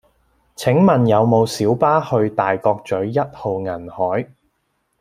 請問有無小巴去大角嘴一號銀海